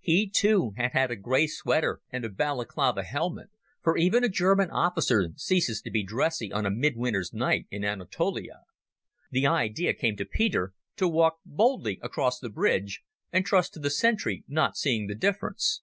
He, too, had had a grey sweater and a Balaclava helmet, for even a German officer ceases to be dressy on a mid winter's night in Anatolia. The idea came to Peter to walk boldly across the bridge and trust to the sentry not seeing the difference.